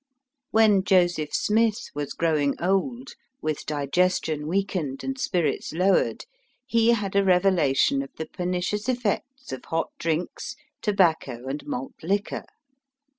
When Joseph Smith was growing old, with digestion weak ened and spirits lowered, he had a revelation of the pernicious effects of hot drinks, tobacco, and malt liquor.